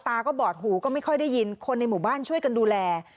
ตาก็บอดหูก็ไม่ค่อยได้ยินคนในหมู่บ้านช่วยกันดูแล